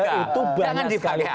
beliau itu banyak sekali